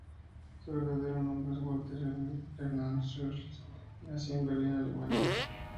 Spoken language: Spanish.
Su verdadero nombre era "Walter Emil Hermann Schulz", y nació en Berlín, Alemania.